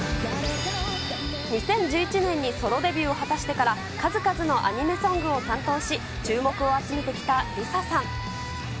２０１１年にソロデビューを果たしてから、数々のアニメソングを担当し、注目を集めてきたリサさん。